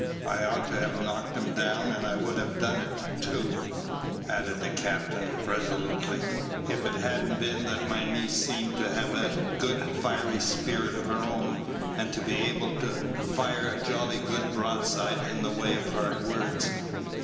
I ought to have knocked him down, and I would have done it too," added the captain, resolutely, "if it had n't been that my niece seemed to have a good fiery spirit of her own, and to be able to fire a jolly good broadside in the way of hard words.